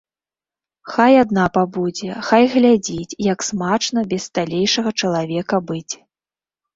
Хай адна пабудзе, хай глядзіць, як смачна без сталейшага чалавека быць.